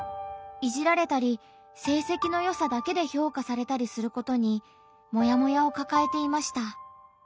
いじられたり成績のよさだけで評価されたりすることにモヤモヤをかかえていました。